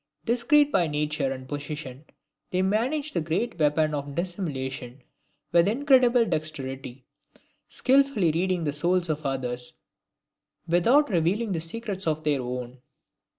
Discreet by nature and position, they manage the great weapon of dissimulation with incredible dexterity, skillfully reading the souls of others with out revealing the secrets of their own.